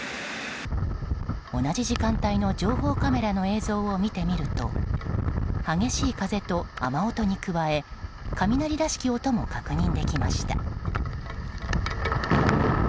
同じ時間帯の情報カメラの映像を見てみると激しい風と雨音に加え雷らしき音も確認できました。